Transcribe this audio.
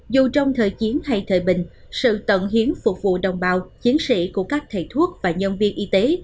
dù trong thời chiến hay thời bình sự tận hiến phục vụ đồng bào chiến sĩ của các thầy thuốc và nhân viên y tế